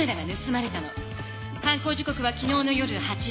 犯行時刻はきのうの夜８時。